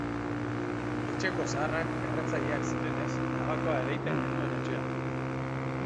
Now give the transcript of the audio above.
Etxeko zaharrak erretzaileak zirenez, tabakoa ereiten genuen etxean.